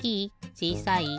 ちいさい？